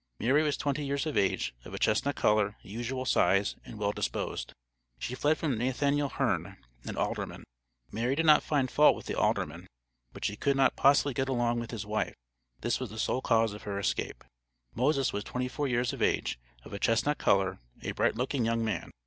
Mary was twenty years of age, of a chestnut color, usual size, and well disposed. She fled from Nathaniel Herne, an alderman. Mary did not find fault with the alderman, but she could not possibly get along with his wife; this was the sole cause of her escape. Moses was twenty four years of age, of a chestnut color, a bright looking young man.